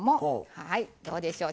はいどうでしょう